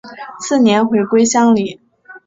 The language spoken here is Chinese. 次年回归乡里。